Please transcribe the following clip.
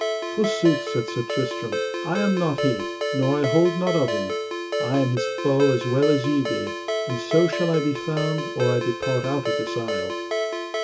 Forsooth, said Sir Tristram, I am not he, nor I hold not of him; I am his foe as well as ye be, and so shall I be found or I depart out of this isle.